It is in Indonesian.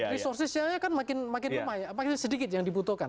resourcesnya kan makin sedikit yang dibutuhkan